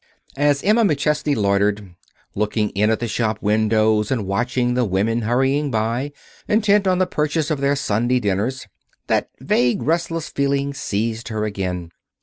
As Emma McChesney loitered, looking in at the shop windows and watching the women hurrying by, intent on the purchase of their Sunday dinners, that vaguely restless feeling seized her again.